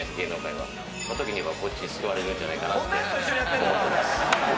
その時には、こっちに救われるんじゃないかなと思ってます。